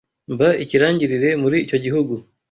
Mba ikirangirire muri icyo gihugu